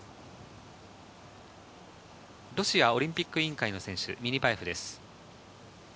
ロシアオリンピック委員会の選手、ミニバエフです。